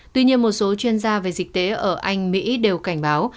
tuy nhiên một số chuyên gia về dịch tế ở anh mỹ đều cảnh báo